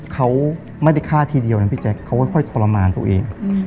เขาไม่ได้ฆ่าทีเดียวนะพี่แจ๊คเขาค่อยทรมานตัวเอง